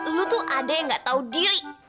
lo tuh ada yang gak tau diri